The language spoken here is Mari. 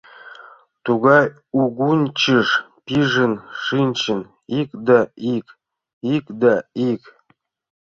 Тугай ӱгынчыш пижын шинчын — ик да ик, ик да ик!